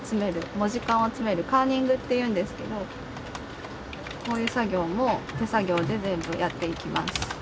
文字間を詰めるカーニングっていうんですけどこういう作業も手作業で全部やっていきます。